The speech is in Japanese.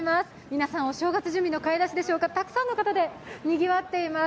皆さんお正月準備の買い出しでしょうかたくさんの方でにぎわっています。